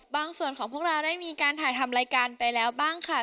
ส่วนของพวกเราได้มีการถ่ายทำรายการไปแล้วบ้างค่ะ